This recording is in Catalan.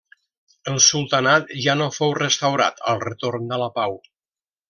El sultanat ja no fou restaurat al retorn de la pau.